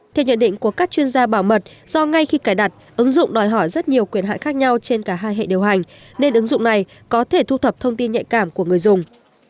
theo nhận định của các chuyên gia bảo mật do ngay khi cài đặt ứng dụng đòi hỏi rất nhiều quyền hại khác nhau trên cả hai hệ điều hành nên ứng dụng này có thể thu thập thông tin nhạy cảm của người dùng